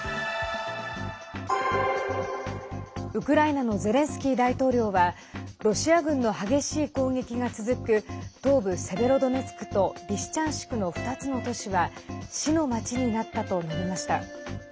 ウクライナのゼレンスキー大統領はロシア軍の激しい攻撃が続く東部セベロドネツクとリシチャンシクの２つの都市は死の街になったと述べました。